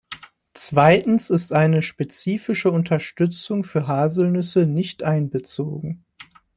Zweitens ist eine spezifische Unterstützung für Haselnüsse nicht einbezogen.